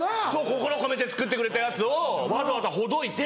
心込めて作ってくれたやつをわざわざほどいて。